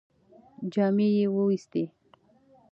جامې یې ووېستې.